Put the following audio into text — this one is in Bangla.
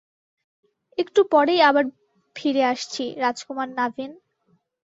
একটু পরেই আবার ফিরে আসছি, রাজকুমার নাভিন।